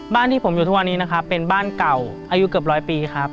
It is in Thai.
ที่ผมอยู่ทุกวันนี้นะครับเป็นบ้านเก่าอายุเกือบร้อยปีครับ